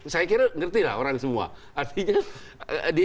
saya kira orang semua mengerti